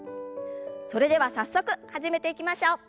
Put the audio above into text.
それでは早速始めていきましょう。